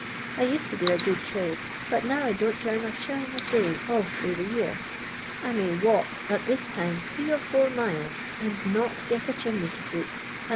I used to do a good trade» but now I don't yam a shilling a day all through the year (1). I may walk at this time three or lour miles and not get a chimney to sweep, and.